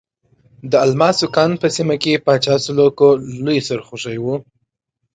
د الماسو کان په سیمه کې پاچا سلوکو لوی سرخوږی وو.